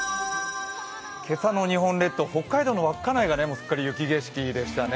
今朝の日本列島、北海道の稚内がすっかり雪景色でしたね。